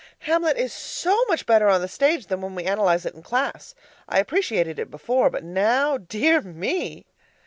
Hamlet is so much better on the stage than when we analyze it in class; I appreciated it before, but now, dear me!